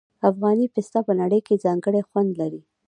افغاني پسته په نړۍ کې ځانګړی خوند لري.